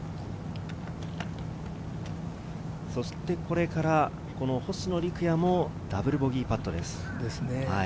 そしてこれから星野陸也もダブルボギーパットです。